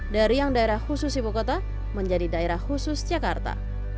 dari yang daerah khusus ibu kota menjadi daerah khusus jakarta